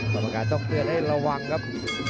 กรรมการต้องเตือนให้ระวังครับ